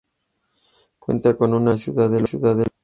Cuentan con una Logia en la ciudad de Loja.